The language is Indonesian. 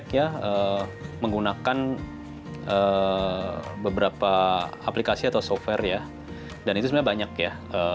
biasanya arsitek menggunakan beberapa aplikasi atau software dan itu sebenarnya banyak